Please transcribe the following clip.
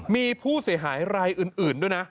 มีผู้เสียหายรายอื่นด้วยนะ